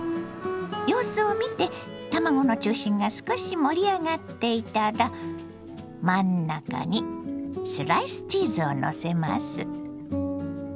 様子を見て卵の中心が少し盛り上がっていたら真ん中にスライスチーズをのせます。